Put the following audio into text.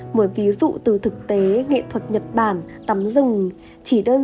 một ví dụ từ thực tế nghệ thuật nhật bản tấm rừng chỉ thích nhìn môi trường